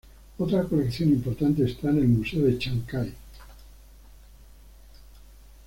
Otra colección importante está en el Museo de Chancay.